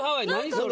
それ。